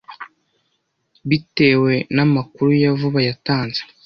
Bitewe na amakuru ya vuba yatanze